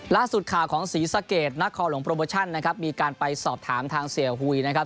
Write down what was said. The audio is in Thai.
ล่าสุดข่าวของศรีสะเกดนักคอหลวงโปรโมชั่นนะครับมีการไปสอบถามทางเสียหุยนะครับ